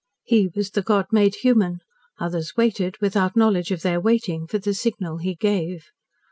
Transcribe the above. He was the God made human; others waited, without knowledge of their waiting, for the signal he gave.